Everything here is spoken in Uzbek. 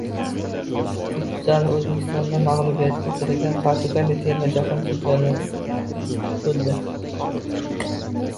Futzal. O‘zbekistondan mag‘lubiyatga uchragan Portugaliya termasi Jahon chempioni bo‘ldi!